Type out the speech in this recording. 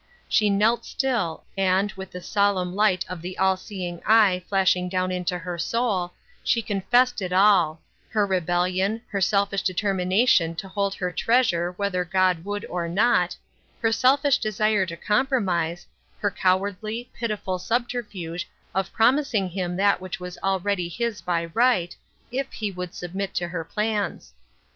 ' She knelt BtiU, and, with the solemn light of the All seeing Eye flashing down into her soul, she confessed it all — her rebellion, her selfish determination to hold her treasure whether God would or not, her selfish desire to compromise, her cowardly, piti ful subterfuge of promising him that which was already his by right, if he would submit to her plans.